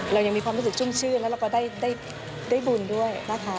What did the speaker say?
เรายังมีความรู้สึกชุ่มชื่นแล้วเราก็ได้บุญด้วยนะคะ